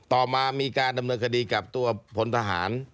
ต่อมามีการดำเนินคดีกับตัวพลทหาร